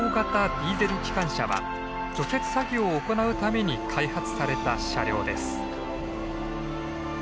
ディーゼル機関車は除雪作業を行うために開発された車両です。